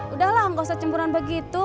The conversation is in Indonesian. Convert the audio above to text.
udahlah gak usah cemburan begitu